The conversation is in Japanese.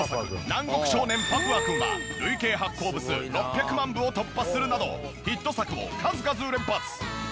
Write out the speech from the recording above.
『南国少年パプワくん』は累計発行部数６００万部を突破するなどヒット作を数々連発。